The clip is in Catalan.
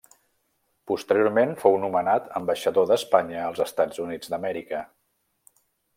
Posteriorment fou nomenat ambaixador d'Espanya als Estats Units d'Amèrica.